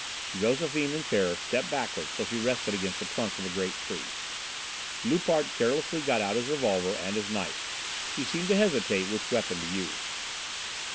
Josephine, in terror, stepped backwards till she rested against the trunk of a great tree. Loupart carelessly got out his revolver and his knife: he seemed to hesitate which weapon to use.